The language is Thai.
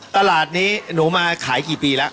ตลาดนี้หนูมาขายกี่ปีแล้ว